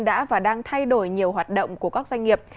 đã và đang thay đổi nhiều hoạt động của các doanh nghiệp